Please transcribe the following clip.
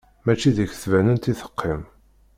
Mačči deg tbanant i teqqim!